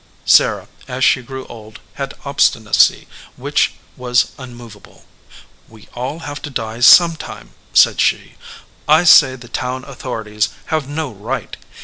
Sarah, as she grew old, had obstinacy which was unmovable. "We all have to die sometime," said she. "I say the town authorities have no right.